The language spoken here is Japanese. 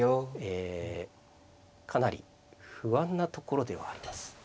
えかなり不安なところではあります。